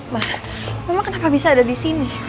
mama mama kenapa bisa ada disini